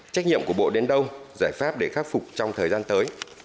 trách nhiệm của bộ đến đâu giải pháp để khắc phục trong thời gian tới